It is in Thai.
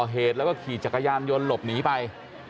เหตุแล้วก็ขี่จักรยานยนต์หลบหนีไป